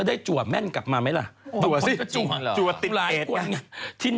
๓วัน๔วันนัดกันเนี่ย